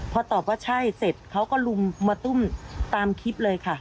พอตอบว่าใช่เสร็จเขาก็ลุมมาตุ้มตามคลิปเลยค่ะ